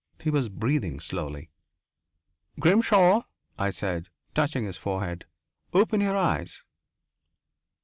He was breathing slowly. "Grimshaw," I said, touching his forehead, "open your eyes."